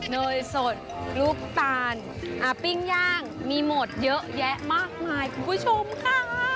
เนยสดลูกตาลปิ้งย่างมีหมดเยอะแยะมากมายคุณผู้ชมค่ะ